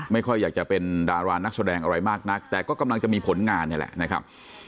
ไม่ค่อยอยากจะเป็นดารานักแสดงอะไรมากนักแต่ก็กำลังจะมีผลงานนี่แหละนะครับ